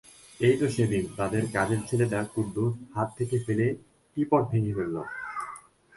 এই তো সেদিন তাঁদের কাজের ছেলে কুদ্দুস হাত থেকে ফেলে টী-পট ভেঙে ফেলল।